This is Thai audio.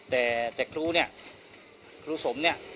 แต่ครูสมเนี่ย